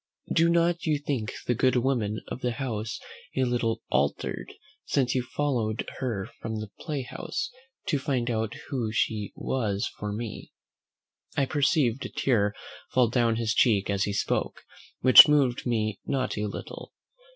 Do not you think the good woman of the house a little altered, since you followed her from the play house, to find out who she was for me?" I perceived a tear fall down his cheek as he spoke, which moved me not a little.